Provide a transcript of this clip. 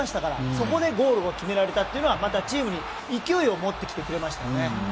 そこでゴールを決められたというのはチームに勢いを持ってきてくれましたね。